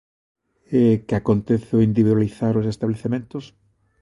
E ¿que acontece ao individualizar os establecementos?